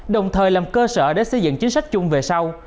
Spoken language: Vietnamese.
đồng thời làm cơ sở để xây dựng chính sách chung về sau